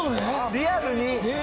リアルに。